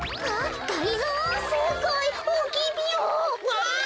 わあ！